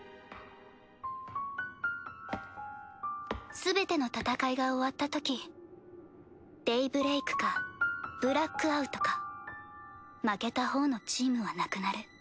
すべての戦いが終わったときデイブレイクかブラックアウトか負けたほうのチームはなくなる。